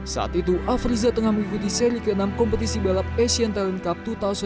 saat itu afriza tengah mengikuti seri ke enam kompetisi balap asian talent cup dua ribu sembilan belas